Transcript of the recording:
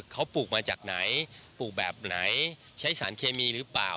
เขาปลูกมาจากไหนปลูกแบบไหนใช้สารเคมีหรือเปล่า